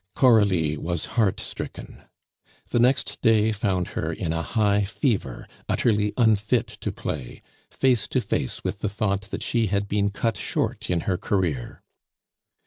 Coralie was heartstricken. The next day found her in a high fever, utterly unfit to play, face to face with the thought that she had been cut short in her career.